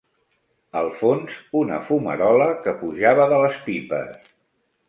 Al fons, una fumarola que pujava de les pipes